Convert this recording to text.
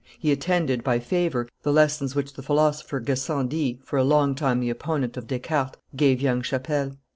He attended, by favor, the lessons which the philosopher Gassendi, for a longtime, the opponent of Descartes, gave young Chapelle.